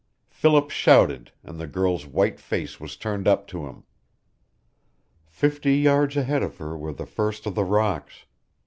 Philip shouted, and the girl's white face was turned up to him. Fifty yards ahead of her were the first of the rocks.